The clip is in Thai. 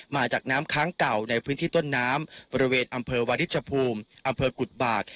มาจากน้ำค้างเก่าในพื้นที่ต้นน้ำบริเวณอำเภอวาริชภูมิอำเภอกุฎบาก